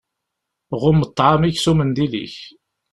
Ɣumm ṭṭɛam-ik s umendil-ik!